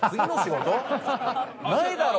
ないだろう！